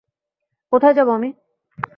কোথায় যাবো আমি?